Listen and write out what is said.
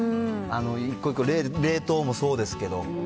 一個一個、冷凍もそうですけど。